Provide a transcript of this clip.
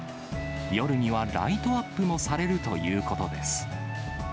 夜にはライトアップもされるということです。